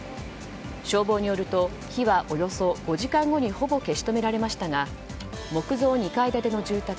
消防によると火はおよそ５時間後にほぼ消し止められましたが木造２階建ての住宅